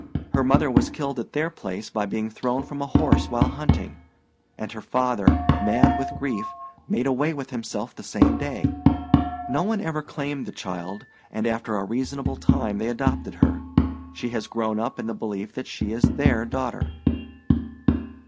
Her mother was killed at their place by being thrown from a horse while hunting, and her father, mad with grief, made away with himself the same day. No one ever claimed the child, and after a reasonable time they adopted her. She has grown up in the belief that she is their daughter."